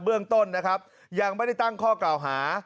เรื่องต้นนะครับยังไม่ได้ตั้งข้อกล่าวหา